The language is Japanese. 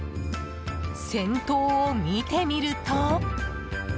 先頭を見てみると。